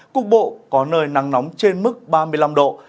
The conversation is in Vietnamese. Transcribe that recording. cục bộ có nơi nắng nóng trên mức ba mươi năm độ